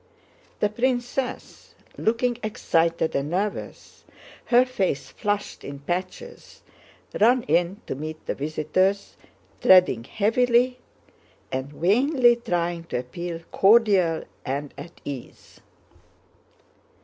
The princess, looking excited and nervous, her face flushed in patches, ran in to meet the visitors, treading heavily, and vainly trying to appear cordial and at ease.